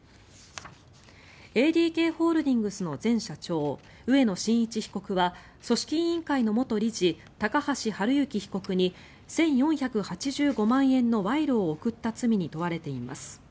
ＡＤＫホールディングスの前社長植野伸一被告は組織委員会の元理事高橋治之被告に１４８５万円の賄賂を贈った罪に問われています。